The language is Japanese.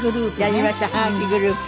やりましょうはがきグループ。